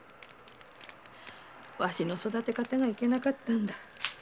私の育て方がいけなかったんだ。